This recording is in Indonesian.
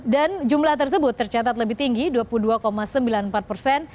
dan jumlah tersebut tercatat lebih tinggi dua puluh dua sembilan puluh empat persen